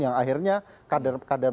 yang akhirnya kader kader